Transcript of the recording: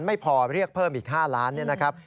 ไม่พอเรียกเพิ่มอีก๕ล้านเนี่ยนะครับ